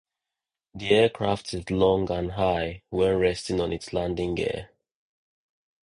The aircraft is long and high when resting on its landing gear.